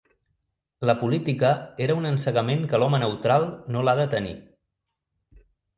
La política era un encegament que l'home neutral no l'ha de tenir